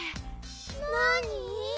なに？